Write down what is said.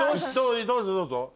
どうぞどうぞ。